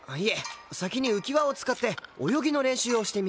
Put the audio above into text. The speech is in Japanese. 先に浮輪を使って泳ぎの練習をしてみましょう。